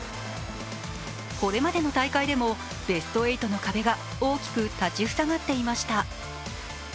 これまでの大会でもベスト８の壁が大きく立ち塞がっていました。